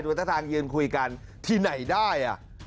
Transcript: ท่าทางยืนคุยกันที่ไหนได้